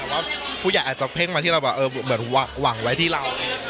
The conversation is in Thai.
แต่ว่าผู้ใหญ่อาจจะเพ่งมาที่เราแบบเหมือนหวังไว้ที่เรา